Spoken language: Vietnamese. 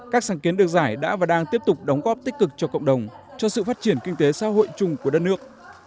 các sáng kiến được giải đã và đang tiếp tục đóng góp tích cực cho cộng đồng cho sự phát triển kinh tế xã hội chung của đất nước